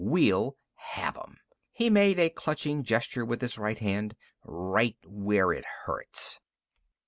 We'll have 'em" he made a clutching gesture with his right hand "right where it hurts!